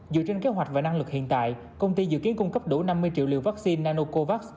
dựa trên kế hoạch và năng lực hiện tại công ty dự kiến cung cấp đủ năm mươi triệu liều vaccine nanocovax